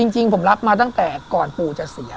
จริงผมรับมาตั้งแต่ก่อนปู่จะเสีย